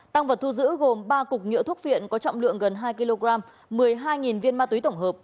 tăng vật thu giữ gồm ba cục nhựa thuốc phiện có trọng lượng gần hai kg một mươi hai viên ma túy tổng hợp